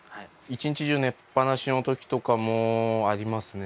一日中寝っぱなしのときとかもありますね。